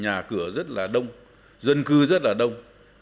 nhà cửa rất là đông dân cư rất là đông